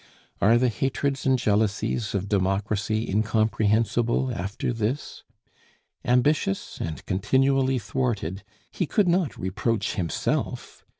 Are the hatreds and jealousies of democracy incomprehensible after this? Ambitious and continually thwarted, he could not reproach himself.